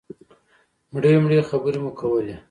مړې مړې خبرې مو کولې.